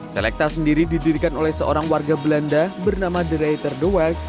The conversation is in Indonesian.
selekta sendiri didirikan oleh seorang warga belanda bernama dereiter de wilde